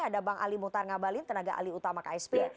ada bang ali mutar ngabalin tenaga ali utama ksp